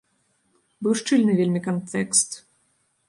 Быў шчыльны вельмі кантэкст.